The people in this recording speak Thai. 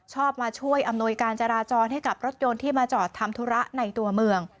ชอบมาช่วยอำนวยการจราจรให้กับรถยนต์ที่มาจอดทำธุระในตัวเมือง